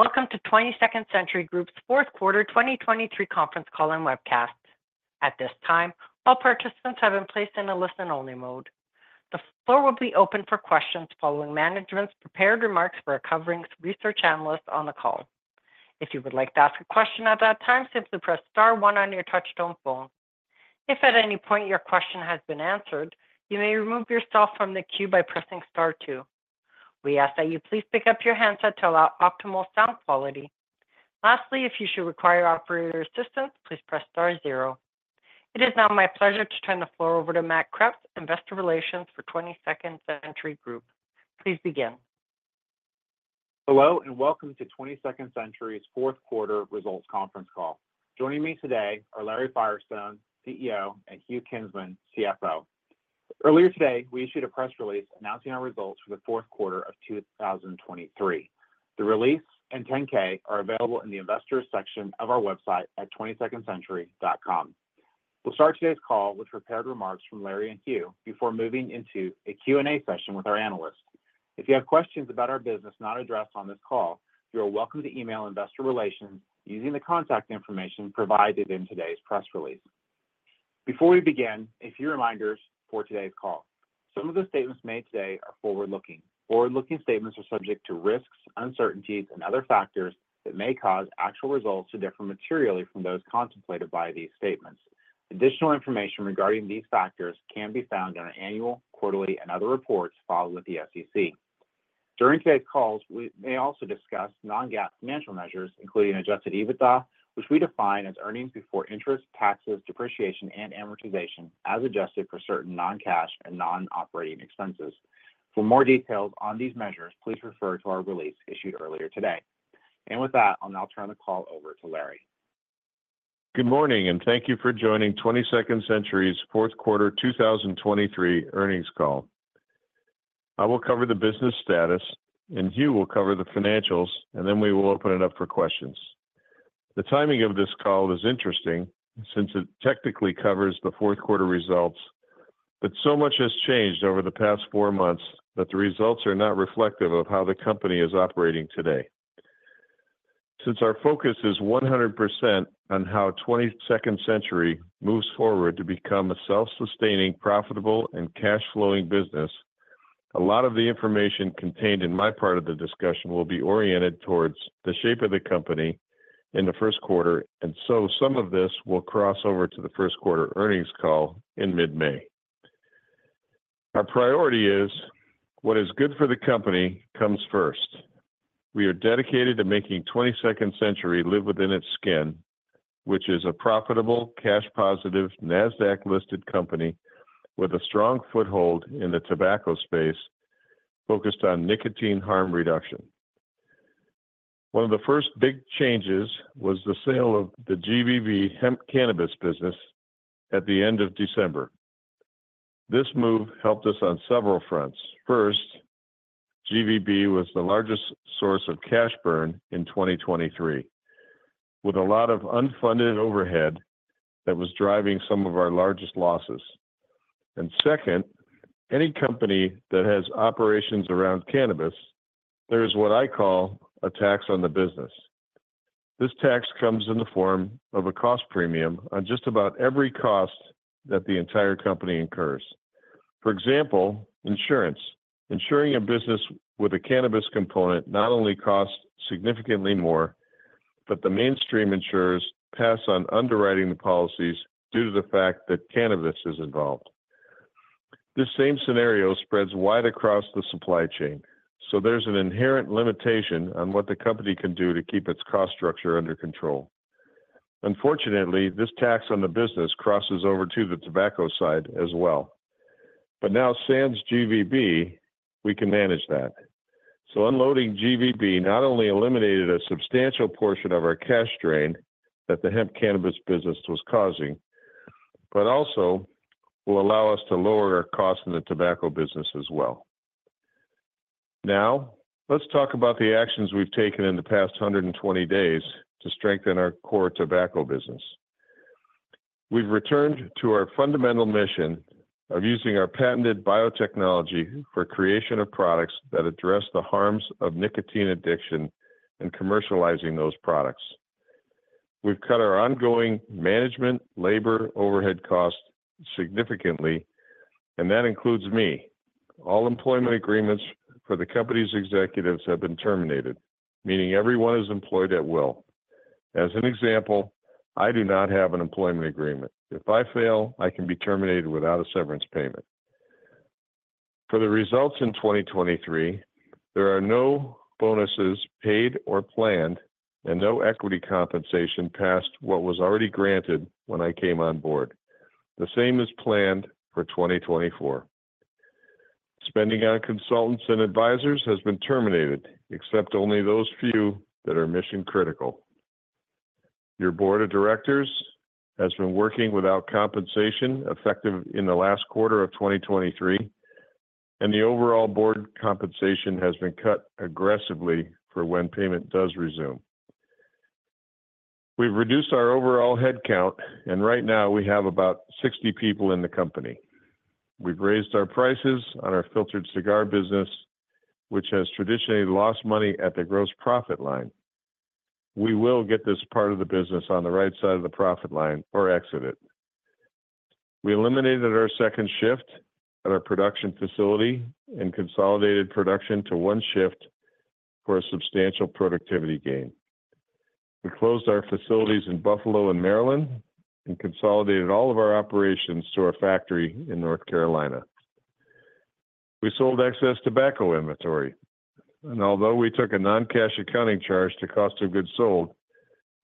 Welcome to 22nd Century Group's fourth quarter 2023 conference call and webcast. At this time, all participants have been placed in a listen-only mode. The floor will be open for questions following management's prepared remarks for the covering research analysts on the call. If you would like to ask a question at that time, simply press star one on your touch-tone phone. If at any point your question has been answered, you may remove yourself from the queue by pressing star two. We ask that you please pick up your handset to allow optimal sound quality. Lastly, if you should require operator assistance, please press star zero. It is now my pleasure to turn the floor over to Matt Kreps, investor relations for 22nd Century Group. Please begin. Hello and welcome to 22nd Century's fourth quarter results conference call. Joining me today are Larry Firestone, CEO, and Hugh Kinsman, CFO. Earlier today, we issued a press release announcing our results for the fourth quarter of 2023. The release and 10-K are available in the investors section of our website at 22ndcentury.com. We'll start today's call with prepared remarks from Larry and Hugh before moving into a Q&A session with our analysts. If you have questions about our business not addressed on this call, you are welcome to email investor relations using the contact information provided in today's press release. Before we begin, a few reminders for today's call. Some of the statements made today are forward-looking. Forward-looking statements are subject to risks, uncertainties, and other factors that may cause actual results to differ materially from those contemplated by these statements. Additional information regarding these factors can be found in our annual, quarterly, and other reports filed with the SEC. During today's call, we may also discuss non-GAAP financial measures, including adjusted EBITDA, which we define as earnings before interest, taxes, depreciation, and amortization as adjusted for certain non-cash and non-operating expenses. For more details on these measures, please refer to our release issued earlier today. With that, I'll now turn the call over to Larry. Good morning and thank you for joining 22nd Century's fourth quarter 2023 earnings call. I will cover the business status, and Hugh will cover the financials, and then we will open it up for questions. The timing of this call is interesting since it technically covers the fourth quarter results, but so much has changed over the past four months that the results are not reflective of how the company is operating today. Since our focus is 100% on how 22nd Century moves forward to become a self-sustaining, profitable, and cash-flowing business, a lot of the information contained in my part of the discussion will be oriented towards the shape of the company in the first quarter, and so some of this will cross over to the first quarter earnings call in mid-May. Our priority is, "What is good for the company comes first." We are dedicated to making 22nd Century live within its skin, which is a profitable, cash-positive Nasdaq-listed company with a strong foothold in the tobacco space focused on nicotine harm reduction. One of the first big changes was the sale of the GVB hemp cannabis business at the end of December. This move helped us on several fronts. First, GVB was the largest source of cash burn in 2023 with a lot of unfunded overhead that was driving some of our largest losses. And second, any company that has operations around cannabis, there is what I call a tax on the business. This tax comes in the form of a cost premium on just about every cost that the entire company incurs. For example, insurance. Insuring a business with a cannabis component not only costs significantly more, but the mainstream insurers pass on underwriting the policies due to the fact that cannabis is involved. This same scenario spreads wide across the supply chain, so there's an inherent limitation on what the company can do to keep its cost structure under control. Unfortunately, this tax on the business crosses over to the tobacco side as well. But now, sans GVB, we can manage that. So unloading GVB not only eliminated a substantial portion of our cash drain that the hemp cannabis business was causing, but also will allow us to lower our costs in the tobacco business as well. Now, let's talk about the actions we've taken in the past 120 days to strengthen our core tobacco business. We've returned to our fundamental mission of using our patented biotechnology for creation of products that address the harms of nicotine addiction and commercializing those products. We've cut our ongoing management labor overhead costs significantly, and that includes me. All employment agreements for the company's executives have been terminated, meaning everyone is employed at will. As an example, I do not have an employment agreement. If I fail, I can be terminated without a severance payment. For the results in 2023, there are no bonuses paid or planned, and no equity compensation past what was already granted when I came on board. The same is planned for 2024. Spending on consultants and advisors has been terminated, except only those few that are mission-critical. Your board of directors has been working without compensation effective in the last quarter of 2023, and the overall board compensation has been cut aggressively for when payment does resume. We've reduced our overall headcount, and right now we have about 60 people in the company. We've raised our prices on our filtered cigar business, which has traditionally lost money at the gross profit line. We will get this part of the business on the right side of the profit line or exit it. We eliminated our second shift at our production facility and consolidated production to one shift for a substantial productivity gain. We closed our facilities in Buffalo and Maryland and consolidated all of our operations to our factory in North Carolina. We sold excess tobacco inventory, and although we took a non-cash accounting charge to cost of goods sold,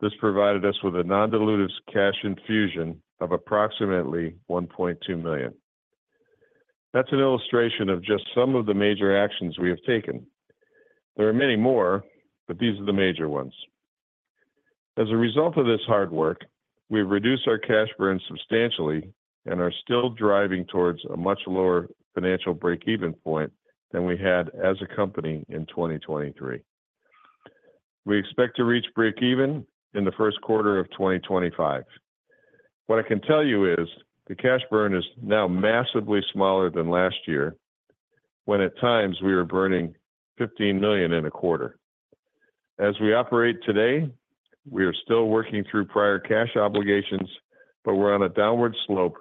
this provided us with a non-dilutive cash infusion of approximately $1.2 million. That's an illustration of just some of the major actions we have taken. There are many more, but these are the major ones. As a result of this hard work, we've reduced our cash burn substantially and are still driving towards a much lower financial break-even point than we had as a company in 2023. We expect to reach break-even in the first quarter of 2025. What I can tell you is the cash burn is now massively smaller than last year when at times we were burning $15 million in a quarter. As we operate today, we are still working through prior cash obligations, but we're on a downward slope,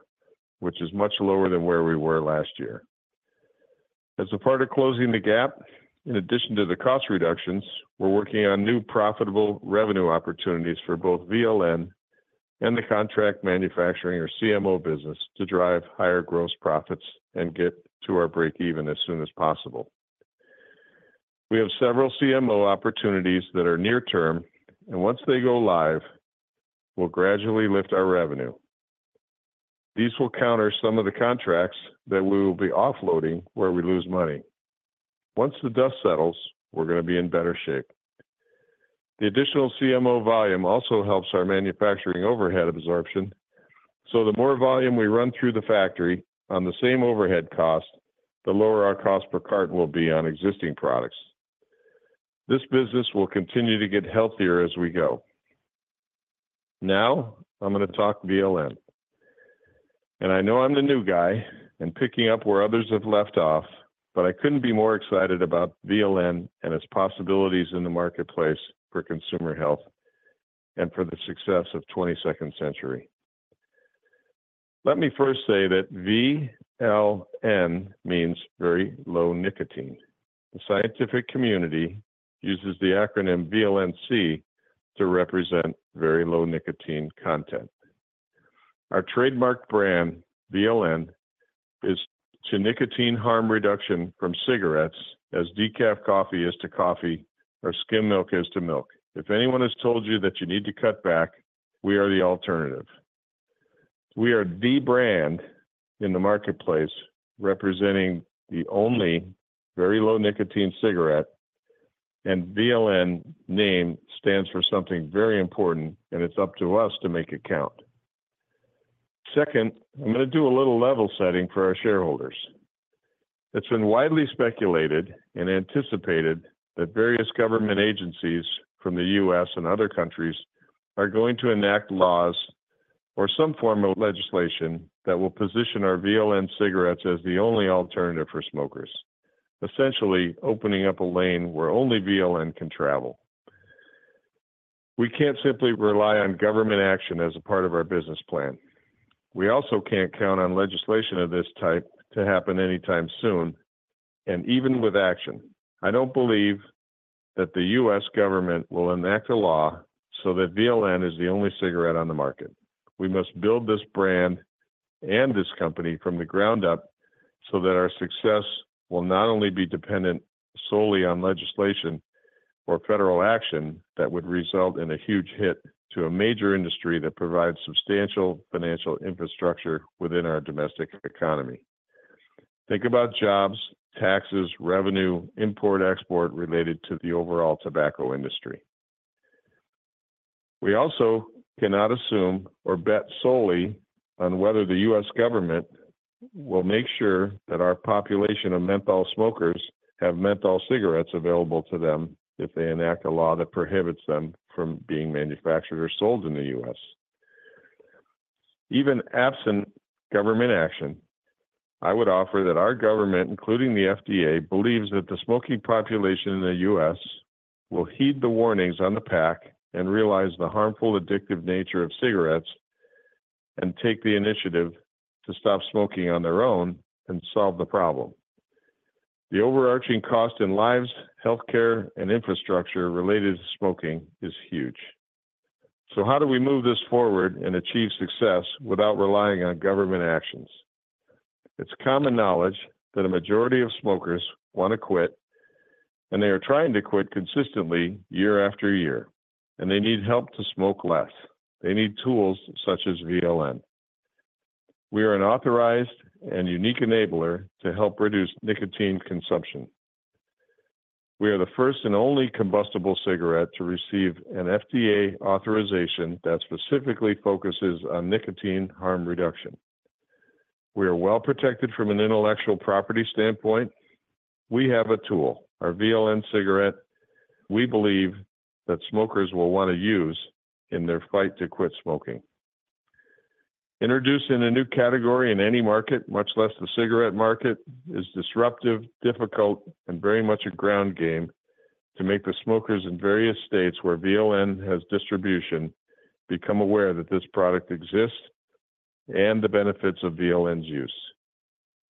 which is much lower than where we were last year. As a part of closing the gap, in addition to the cost reductions, we're working on new profitable revenue opportunities for both VLN and the contract manufacturing or CMO business to drive higher gross profits and get to our break-even as soon as possible. We have several CMO opportunities that are near term, and once they go live, we'll gradually lift our revenue. These will counter some of the contracts that we will be offloading where we lose money. Once the dust settles, we're going to be in better shape. The additional CMO volume also helps our manufacturing overhead absorption, so the more volume we run through the factory on the same overhead cost, the lower our cost per cart will be on existing products. This business will continue to get healthier as we go. Now I'm going to talk VLN, and I know I'm the new guy and picking up where others have left off, but I couldn't be more excited about VLN and its possibilities in the marketplace for consumer health and for the success of 22nd Century. Let me first say that VLN means very low nicotine. The scientific community uses the acronym VLNC to represent very low nicotine content. Our trademark brand, VLN, is to nicotine harm reduction from cigarettes as decaf coffee is to coffee or skim milk is to milk. If anyone has told you that you need to cut back, we are the alternative. We are the brand in the marketplace representing the only very low nicotine cigarette, and VLN name stands for something very important, and it's up to us to make it count. Second, I'm going to do a little level setting for our shareholders. It's been widely speculated and anticipated that various government agencies from the U.S. and other countries are going to enact laws or some form of legislation that will position our VLN cigarettes as the only alternative for smokers, essentially opening up a lane where only VLN can travel. We can't simply rely on government action as a part of our business plan. We also can't count on legislation of this type to happen anytime soon, and even with action, I don't believe that the U.S. government will enact a law so that VLN is the only cigarette on the market. We must build this brand and this company from the ground up so that our success will not only be dependent solely on legislation or federal action that would result in a huge hit to a major industry that provides substantial financial infrastructure within our domestic economy. Think about jobs, taxes, revenue, import-export related to the overall tobacco industry. We also cannot assume or bet solely on whether the U.S. government will make sure that our population of menthol smokers have menthol cigarettes available to them if they enact a law that prohibits them from being manufactured or sold in the U.S. Even absent government action, I would offer that our government, including the FDA, believes that the smoking population in the U.S. will heed the warnings on the pack and realize the harmful addictive nature of cigarettes and take the initiative to stop smoking on their own and solve the problem. The overarching cost in lives, healthcare, and infrastructure related to smoking is huge. So how do we move this forward and achieve success without relying on government actions? It's common knowledge that a majority of smokers want to quit, and they are trying to quit consistently year after year, and they need help to smoke less. They need tools such as VLN. We are an authorized and unique enabler to help reduce nicotine consumption. We are the first and only combustible cigarette to receive an FDA authorization that specifically focuses on nicotine harm reduction. We are well protected from an intellectual property standpoint. We have a tool, our VLN cigarette, we believe that smokers will want to use in their fight to quit smoking. Introducing a new category in any market, much less the cigarette market, is disruptive, difficult, and very much a ground game to make the smokers in various states where VLN has distribution become aware that this product exists and the benefits of VLN's use.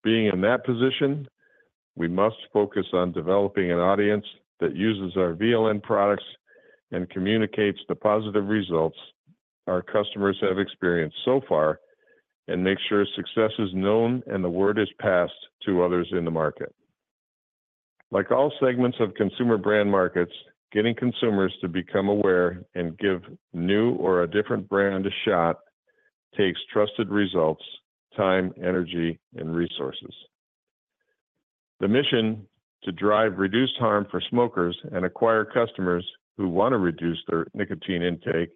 Being in that position, we must focus on developing an audience that uses our VLN products and communicates the positive results our customers have experienced so far and make sure success is known and the word is passed to others in the market. Like all segments of consumer brand markets, getting consumers to become aware and give new or a different brand a shot takes trusted results, time, energy, and resources. The mission to drive reduced harm for smokers and acquire customers who want to reduce their nicotine intake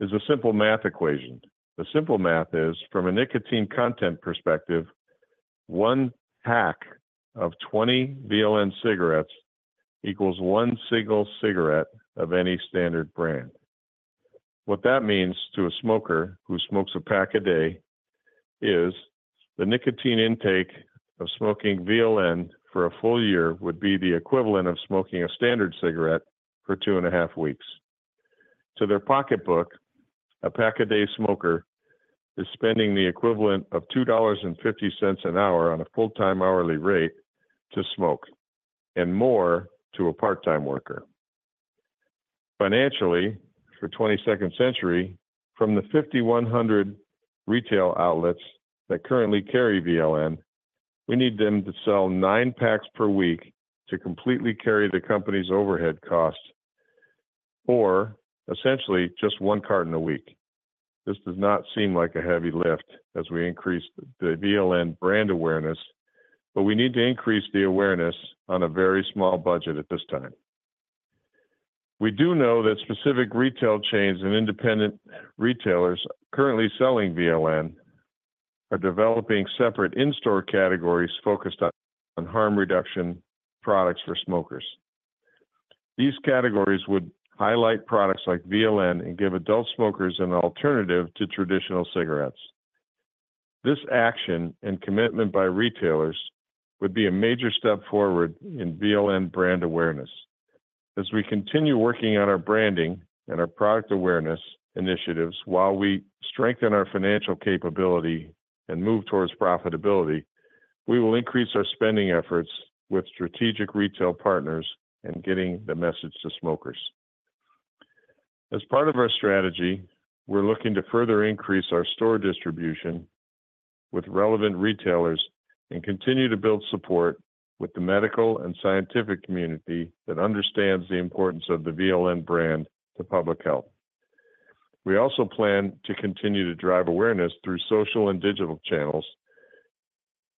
is a simple math equation. The simple math is, from a nicotine content perspective, one pack of 20 VLN cigarettes equals one single cigarette of any standard brand. What that means to a smoker who smokes a pack a day is the nicotine intake of smoking VLN for a full year would be the equivalent of smoking a standard cigarette for two and a half weeks. To their pocketbook, a pack-a-day smoker is spending the equivalent of $2.50 an hour on a full-time hourly rate to smoke and more to a part-time worker. Financially, for 22nd Century, from the 5,100 retail outlets that currently carry VLN, we need them to sell nine packs per week to completely carry the company's overhead costs or essentially just one carton a week. This does not seem like a heavy lift as we increase the VLN brand awareness, but we need to increase the awareness on a very small budget at this time. We do know that specific retail chains and independent retailers currently selling VLN are developing separate in-store categories focused on harm reduction products for smokers. These categories would highlight products like VLN and give adult smokers an alternative to traditional cigarettes. This action and commitment by retailers would be a major step forward in VLN brand awareness. As we continue working on our branding and our product awareness initiatives while we strengthen our financial capability and move towards profitability, we will increase our spending efforts with strategic retail partners and getting the message to smokers. As part of our strategy, we're looking to further increase our store distribution with relevant retailers and continue to build support with the medical and scientific community that understands the importance of the VLN brand to public health. We also plan to continue to drive awareness through social and digital channels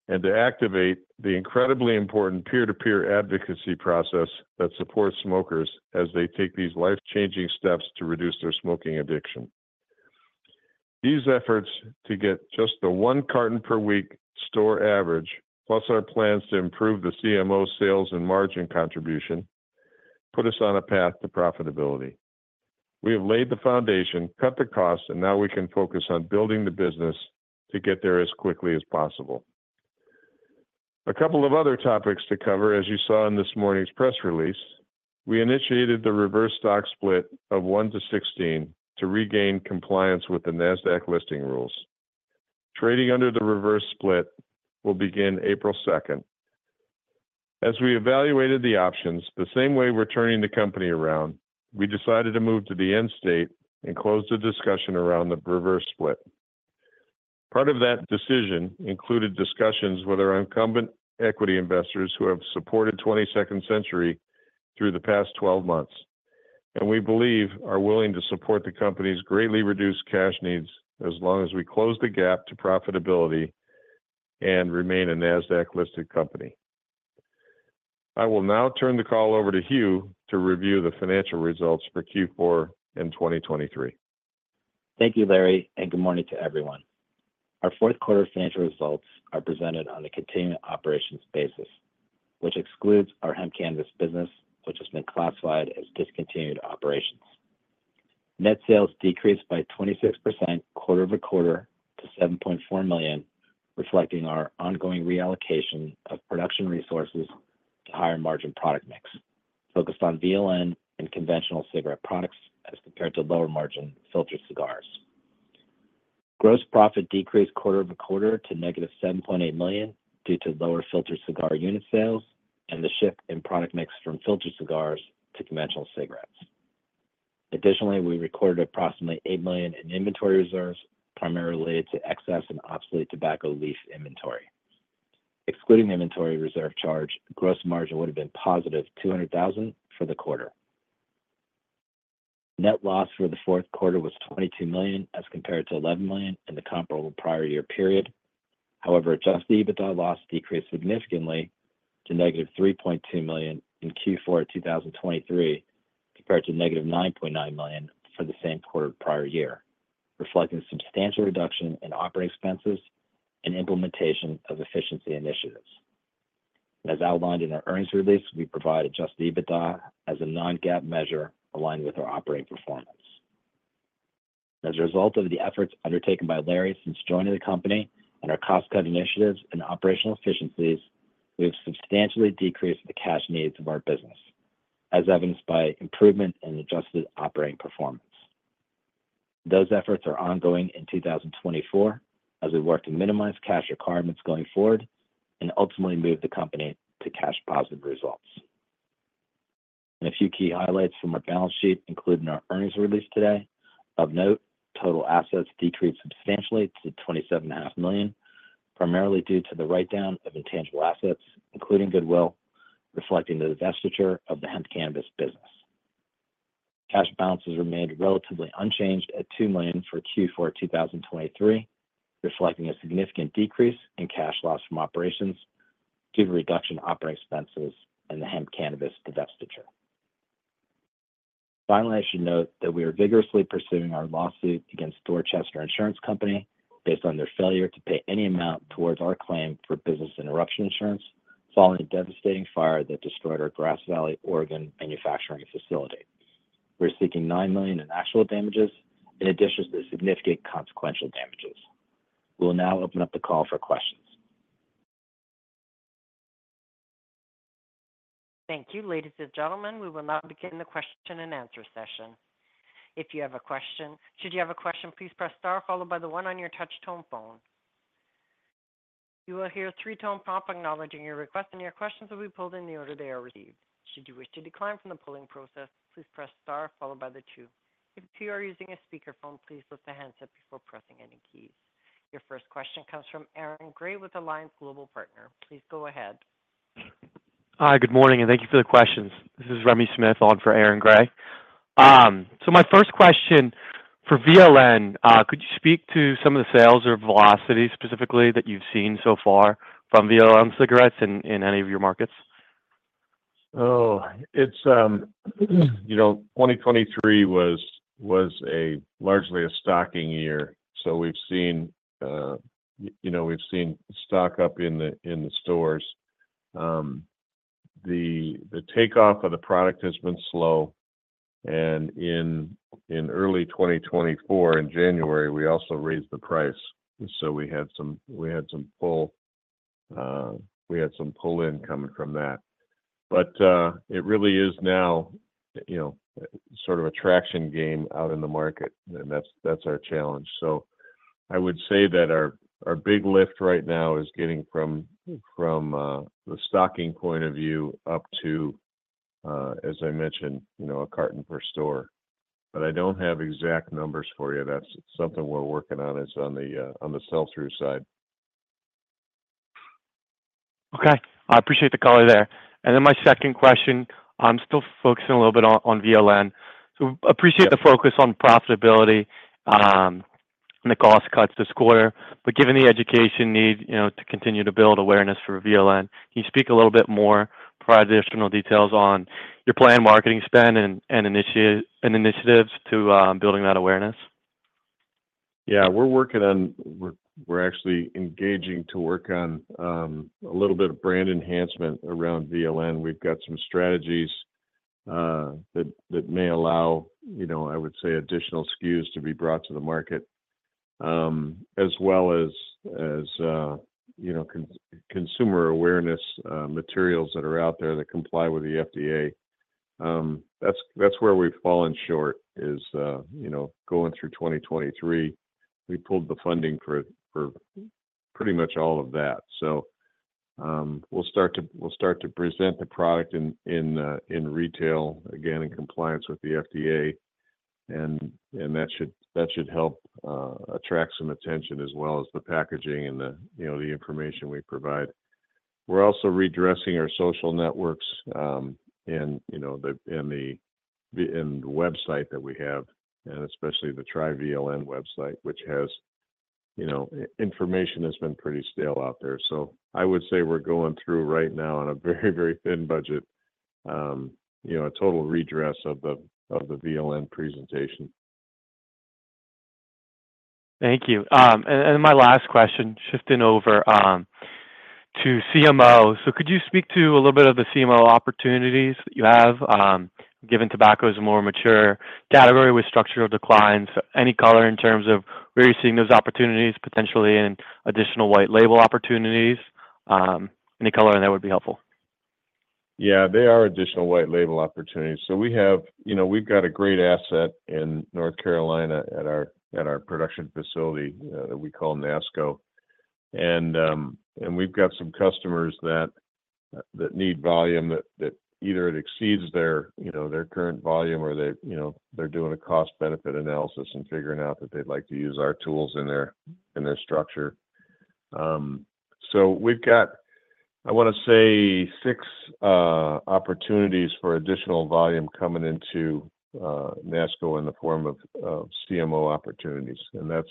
and to activate the incredibly important peer-to-peer advocacy process that supports smokers as they take these life-changing steps to reduce their smoking addiction. These efforts to get just the one carton per week store average plus our plans to improve the CMO sales and margin contribution put us on a path to profitability. We have laid the foundation, cut the costs, and now we can focus on building the business to get there as quickly as possible. A couple of other topics to cover, as you saw in this morning's press release, we initiated the reverse stock split of one-to-16 to regain compliance with the Nasdaq listing rules. Trading under the reverse split will begin April 2nd. As we evaluated the options the same way we're turning the company around, we decided to move to the end state and closed the discussion around the reverse split. Part of that decision included discussions with our incumbent equity investors who have supported 22nd Century through the past 12 months, and we believe are willing to support the company's greatly reduced cash needs as long as we close the gap to profitability and remain a Nasdaq-listed company. I will now turn the call over to Hugh to review the financial results for Q4 in 2023. Thank you, Larry, and good morning to everyone. Our fourth-quarter financial results are presented on a continued operations basis, which excludes our hemp/cannabis business, which has been classified as discontinued operations. Net sales decreased by 26% quarter-over-quarter to $7.4 million, reflecting our ongoing reallocation of production resources to higher margin product mix focused on VLN and conventional cigarette products as compared to lower margin filtered cigars. Gross profit decreased quarter-over-quarter to -$7.8 million due to lower filtered cigar unit sales and the shift in product mix from filtered cigars to conventional cigarettes. Additionally, we recorded approximately $8 million in inventory reserves primarily related to excess and obsolete tobacco leaf inventory. Excluding the inventory reserve charge, gross margin would have been positive $200,000 for the quarter. Net loss for the fourth quarter was $22 million as compared to $11 million in the comparable prior year period. However, Adjusted EBITDA loss decreased significantly to negative $3.2 million in Q4 of 2023 compared to negative $9.9 million for the same quarter prior year, reflecting substantial reduction in operating expenses and implementation of efficiency initiatives. As outlined in our earnings release, we provide Adjusted EBITDA as a non-GAAP measure aligned with our operating performance. As a result of the efforts undertaken by Larry since joining the company and our cost-cut initiatives and operational efficiencies, we have substantially decreased the cash needs of our business, as evidenced by improvement in adjusted operating performance. Those efforts are ongoing in 2024 as we work to minimize cash requirements going forward and ultimately move the company to cash-positive results. A few key highlights from our balance sheet included in our earnings release today. Of note, total assets decreased substantially to $27.5 million, primarily due to the write-down of intangible assets, including goodwill, reflecting the divestiture of the hemp cannabis business. Cash balances remained relatively unchanged at $2 million for Q4 of 2023, reflecting a significant decrease in cash loss from operations due to reduction in operating expenses and the hemp cannabis business divestiture. Finally, I should note that we are vigorously pursuing our lawsuit against Dorchester Insurance Company based on their failure to pay any amount towards our claim for business interruption insurance following a devastating fire that destroyed our Grass Valley, Oregon manufacturing facility. We are seeking $9 million in actual damages in addition to significant consequential damages. We will now open up the call for questions. Thank you, ladies and gentlemen. We will now begin the question and answer session. If you have a question, please press star followed by the one on your touch-tone phone. You will hear a three-tone prompt acknowledging your request, and your questions will be pulled in the order they are received. Should you wish to decline from the pulling process, please press star followed by the two. If you are using a speakerphone, please lift the handset before pressing any keys. Your first question comes from Aaron Grey with Alliance Global Partners. Please go ahead. Hi, good morning, and thank you for the questions. This is Remy Smith on for Aaron Grey. My first question for VLN: could you speak to some of the sales or velocities specifically that you've seen so far from VLN cigarettes in any of your markets? Oh, 2023 was largely a stocking year, so we've seen stock up in the stores. The takeoff of the product has been slow, and in early 2024, in January, we also raised the price, so we had some pull-in coming from that. But it really is now sort of a traction game out in the market, and that's our challenge. So I would say that our big lift right now is getting from the stocking point of view up to, as I mentioned, a carton per store. But I don't have exact numbers for you. That's something we're working on is on the sell-through side. Okay. I appreciate the call. You're there. My second question, I'm still focusing a little bit on VLN. So appreciate the focus on profitability and the cost cuts this quarter, but given the education need to continue to build awareness for VLN, can you speak a little bit more for additional details on your planned marketing spend and initiatives to building that awareness? Yeah. We're actually engaging to work on a little bit of brand enhancement around VLN. We've got some strategies that may allow, I would say, additional SKUs to be brought to the market as well as consumer awareness materials that are out there that comply with the FDA. That's where we've fallen short is going through 2023. We pulled the funding for pretty much all of that. So we'll start to present the product in retail, again, in compliance with the FDA, and that should help attract some attention as well as the packaging and the information we provide. We're also redressing our social networks and the website that we have, and especially the TryVLN website, which information has been pretty stale out there. So I would say we're going through right now on a very, very thin budget, a total redress of the VLN presentation. Thank you. And then my last question, shifting over to CMO, so could you speak to a little bit of the CMO opportunities that you have given tobacco is a more mature category with structural declines? Any color in terms of where you're seeing those opportunities, potentially in additional white label opportunities? Any color in that would be helpful. Yeah, they are additional white label opportunities. So we've got a great asset in North Carolina at our production facility that we call NASCO, and we've got some customers that need volume that either it exceeds their current volume or they're doing a cost-benefit analysis and figuring out that they'd like to use our tools in their structure. So we've got, I want to say, six opportunities for additional volume coming into NASCO in the form of CMO opportunities. And that's,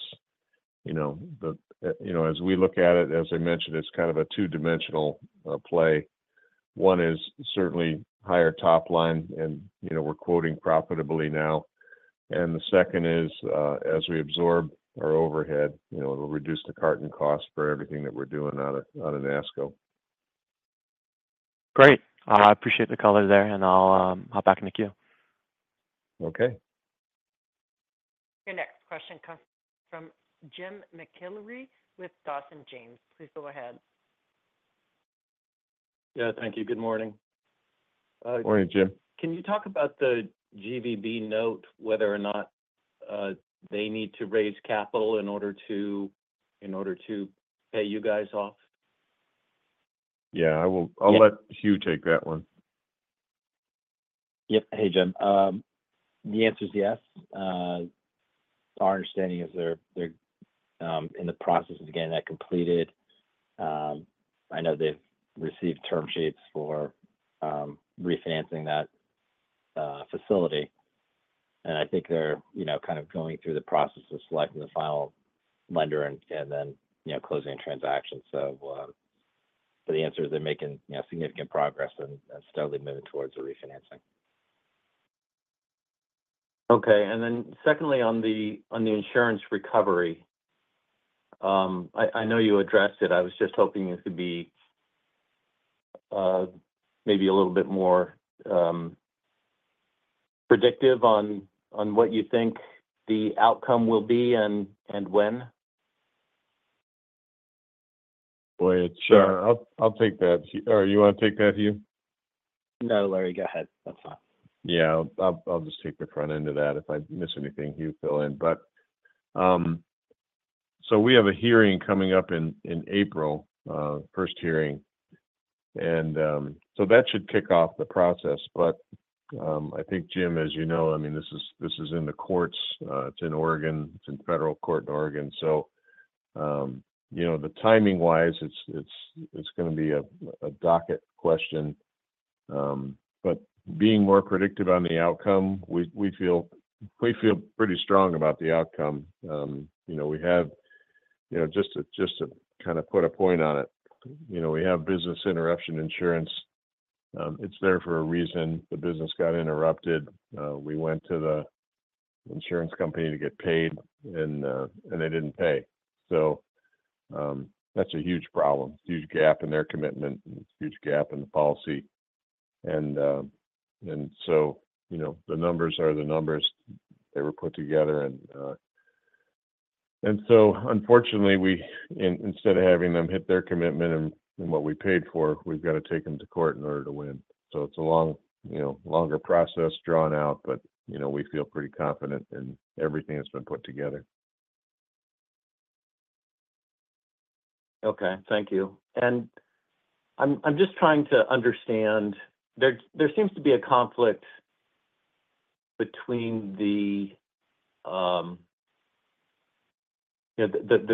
as we look at it, as I mentioned, it's kind of a two-dimensional play. One is certainly higher top line, and we're quoting profitably now. And the second is as we absorb our overhead, it'll reduce the carton cost for everything that we're doing out of NASCO. Great. I appreciate the color there, and I'll hop back into queue. Okay. Your next question comes from Jim McIlree with Dawson James. Please go ahead. Yeah, thank you. Good morning. Morning, Jim. Can you talk about the GVB note, whether or not they need to raise capital in order to pay you guys off? Yeah, I'll let Hugh take that one. Yep. Hey, Jim. The answer is yes. Our understanding is they're in the process of getting that completed. I know they've received term sheets for refinancing that facility, and I think they're kind of going through the process of selecting the final lender and then closing a transaction. So the answer is they're making significant progress and steadily moving towards a refinancing. Okay. Then secondly, on the insurance recovery, I know you addressed it. I was just hoping you could be maybe a little bit more predictive on what you think the outcome will be and when? Boy, it's – I'll take that. Or you want to take that, Hugh? No, Larry, go ahead. That's fine. Yeah, I'll just take the front end of that. If I miss anything, Hugh, fill in. So we have a hearing coming up in April, first hearing, and so that should kick off the process. But I think, Jim, as you know, I mean, this is in the courts. It's in Oregon. It's in federal court in Oregon. So timing-wise, it's going to be a docket question. But being more predictive on the outcome, we feel pretty strong about the outcome. We have just to kind of put a point on it, we have business interruption insurance. It's there for a reason. The business got interrupted. We went to the insurance company to get paid, and they didn't pay. So that's a huge problem, huge gap in their commitment, huge gap in the policy. And so the numbers are the numbers. They were put together. So unfortunately, instead of having them hit their commitment and what we paid for, we've got to take them to court in order to win. It's a longer process drawn out, but we feel pretty confident in everything that's been put together. Okay. Thank you. And I'm just trying to understand, there seems to be a conflict between the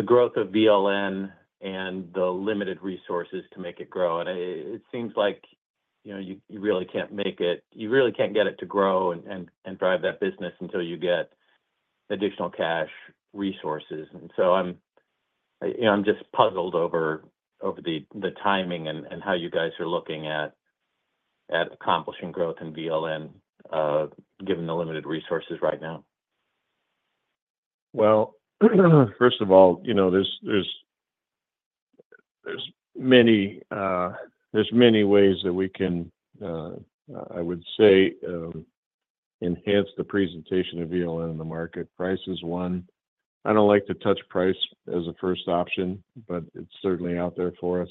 growth of VLN and the limited resources to make it grow. And it seems like you really can't get it to grow and drive that business until you get additional cash resources. And so I'm just puzzled over the timing and how you guys are looking at accomplishing growth in VLN given the limited resources right now. Well, first of all, there's many ways that we can, I would say, enhance the presentation of VLN in the market. Price is one. I don't like to touch price as a first option, but it's certainly out there for us.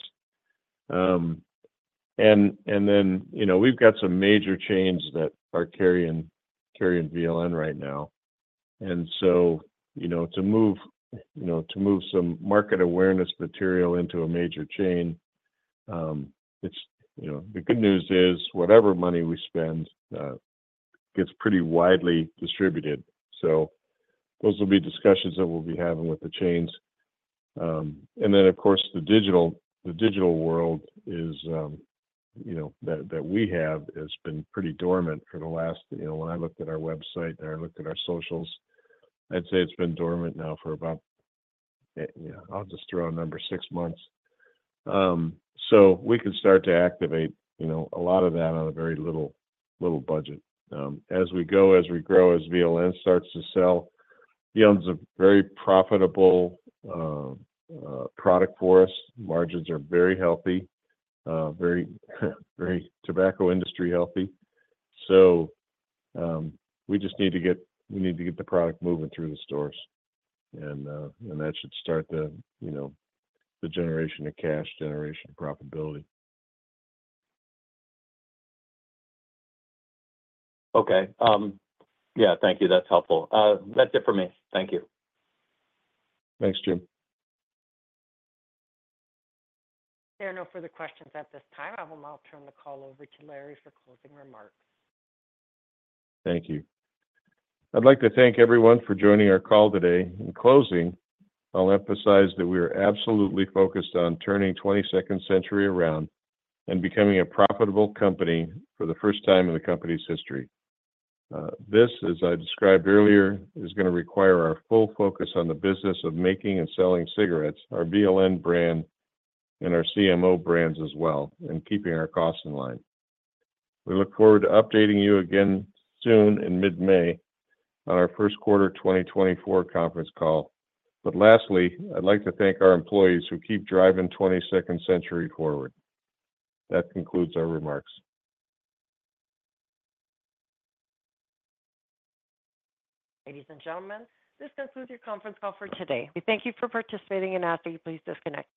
And then we've got some major chains that are carrying VLN right now. And so to move some market awareness material into a major chain, the good news is whatever money we spend gets pretty widely distributed. So those will be discussions that we'll be having with the chains. And then, of course, the digital world that we have has been pretty dormant for the last when I looked at our website and I looked at our socials. I'd say it's been dormant now for about yeah, I'll just throw a number, six months. So we can start to activate a lot of that on a very little budget. As we go, as we grow, as VLN starts to sell, VLN is a very profitable product for us. Margins are very healthy, very tobacco industry healthy. So we just need to get the product moving through the stores, and that should start the generation of cash, generation of profitability. Okay. Yeah, thank you. That's helpful. That's it for me. Thank you. Thanks, Jim. There are no further questions at this time. I will now turn the call over to Larry for closing remarks. Thank you. I'd like to thank everyone for joining our call today. In closing, I'll emphasize that we are absolutely focused on turning 22nd Century around and becoming a profitable company for the first time in the company's history. This, as I described earlier, is going to require our full focus on the business of making and selling cigarettes, our VLN brand, and our CMO brands as well, and keeping our costs in line. We look forward to updating you again soon in mid-May on our first quarter 2024 conference call. But lastly, I'd like to thank our employees who keep driving 22nd Century forward. That concludes our remarks. Ladies and gentlemen, this concludes your conference call for today. We thank you for participating, and after you please disconnect.